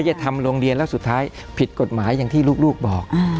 จะทำโรงเรียนแล้วสุดท้ายผิดกฎหมายอย่างที่ลูกบอก